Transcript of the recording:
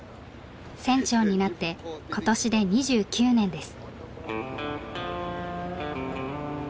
船長になって今年で２９年です。